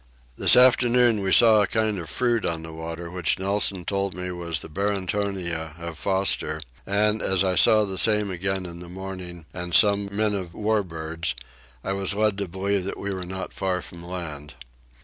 This afternoon we saw a kind of fruit on the water which Nelson told me was the Barringtonia of Forster and, as I saw the same again in the morning, and some men of war birds, I was led to believe that we were not far from land.